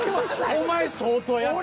お前相当やった。